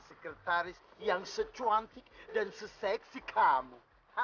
sekretaris yang secuantik dan se seksi kamu